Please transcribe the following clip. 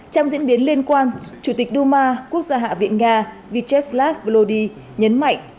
trong diễn biến liên quan chủ tịch duma quốc gia hạ viện nga vyacheslav vlody nhấn mạnh